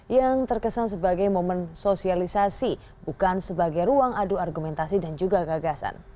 yang terkesan sebagai momen sosialisasi bukan sebagai ruang adu argumentasi dan juga gagasan